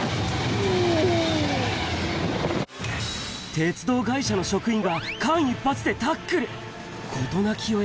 鉄道会社の職員が、間一髪でタックル。